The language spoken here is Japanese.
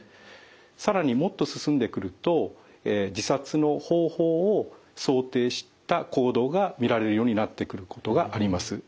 更にもっと進んでくると自殺の方法を想定した行動が見られるようになってくることがあります。